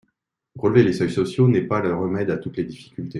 Relever les seuils sociaux n’est pas le remède à toutes les difficultés.